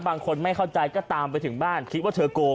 บางคนไม่เข้าใจก็ตามไปถึงบ้านคิดว่าเธอโกง